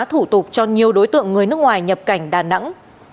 thủ tục cho nhiều đối tượng người nước ngoài nhập cảnh đà nẵng